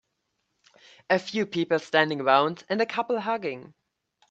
A few people standing around and a couple hugging.